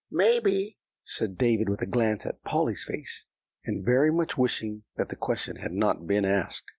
"Maybe," said David, with a glance at Polly's face, and very much wishing that the question had not been asked.